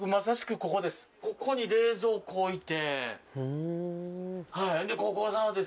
ここに冷蔵庫置いて。